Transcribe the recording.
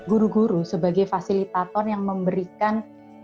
guru guru sebagai fasilitator yang memberikan